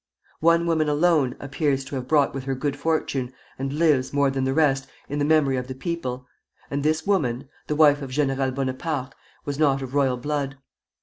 One woman alone appears to have brought with her good fortune, and lives, more than the rest, in the memory of the people; and this woman, the wife of General Bonaparte, was not of royal blood.